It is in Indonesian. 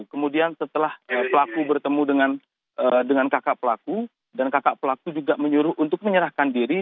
kemudian setelah pelaku bertemu dengan kakak pelaku dan kakak pelaku juga menyuruh untuk menyerahkan diri